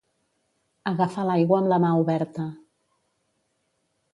Agafar l'aigua amb la mà oberta.